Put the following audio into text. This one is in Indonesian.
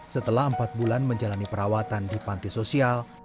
setelah empat bulan menjalani perawatan di panti sosial